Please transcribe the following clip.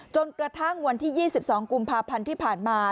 จนกระทั่งวันที่๒๒กุมภาพันธ์ที่ผ่านมา